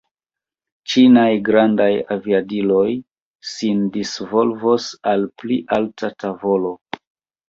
Ĉinaj grandaj aviadiloj sin disvolvos al pli alta tavolo.